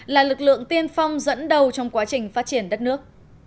là lực lượng tiên phong dẫn đầu trong quá trình phát triển đất nước